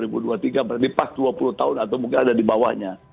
berarti pas dua puluh tahun atau mungkin ada di bawahnya